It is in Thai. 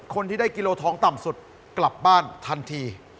คนที่ได้กิโลทองต่ำสุดกลับบ้านทันที